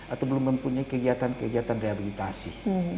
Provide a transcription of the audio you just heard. atau belum mempunyai kegiatan kegiatan rehabilitasi